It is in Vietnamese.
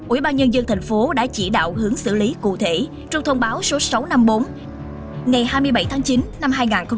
ubnd thành phố đã chỉ đạo hướng xử lý cụ thể trong thông báo số sáu trăm năm mươi bốn ngày hai mươi bảy tháng chín năm hai nghìn một mươi chín